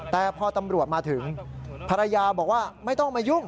แต่พอตำรวจมาถึงภรรยาบอกว่าไม่ต้องมายุ่ง